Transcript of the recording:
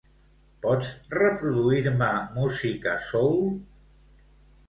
Pots reproduir-me música soul?